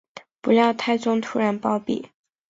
不料太宗突然暴毙。